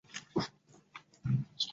是一名卓越的马克思主义经济学者。